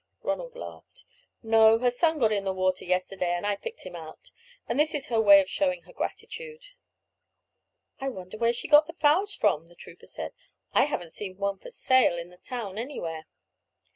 Ronald laughed. "No, her son got into the water yesterday, and I picked him out, and this is her way of showing her gratitude." "I wonder where she got the fowls from," the trooper said. "I haven't seen one for sale in the town anywhere."